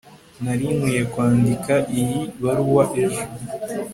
nari nkwiye kwandika iyi baruwa ejo